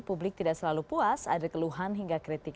publik tidak selalu puas ada keluhan hingga kritik